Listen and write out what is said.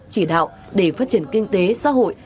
chỉ đạo để phát triển kinh tế xã hội